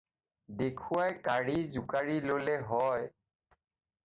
দেখুৱাই কড়ি জোকাৰি ল'লে হয়